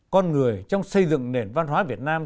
con người trong xây dựng nền văn hóa việt nam